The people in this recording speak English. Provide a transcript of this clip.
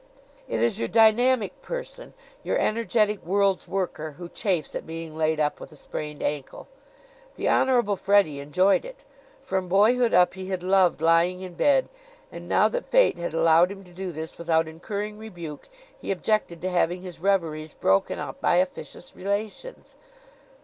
It is your dynamic person, your energetic world's worker, who chafes at being laid up with a sprained ankle. The Honorable Freddie enjoyed it. From boyhood up he had loved lying in bed; and now that fate had allowed him to do this without incurring rebuke he objected to having his reveries broken up by officious relations.